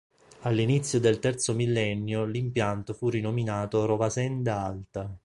All'inizio del terzo millennio l'impianto fu rinominato Rovasenda Alta.